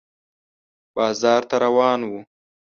بازار ته روان و